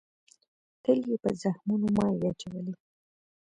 تل یې په زخمونو مالگې اچولې